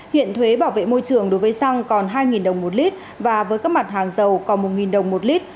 hiện thuế bảo vệ môi trường đối với xăng còn hai đồng một lít và với các mặt hàng dầu còn một đồng một lít